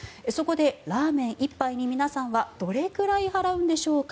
そこでラーメン１杯に皆さんはどれくらい払うんでしょうか。